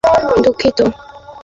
তোমার ধারণাও নেই আমি কতটা দুঃখিত।